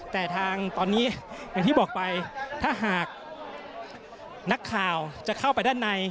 แต่ทางตอนนี้อย่างที่บอกไปถ้าหากนักข่าวจะเข้าไปด้านใน